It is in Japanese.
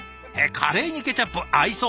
カレーにケチャップ合いそう。